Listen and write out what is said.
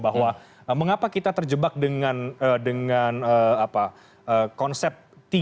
bahwa mengapa kita terjebak dengan konsep tiga